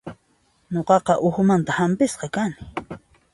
Nuqaqa uhumanta hampisqa kani.